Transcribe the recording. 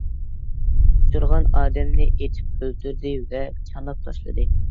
ئۇچرىغان ئادەمنى ئېتىپ ئۆلتۈردى ۋە چاناپ تاشلىدى.